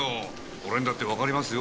俺にだってわかりますよ。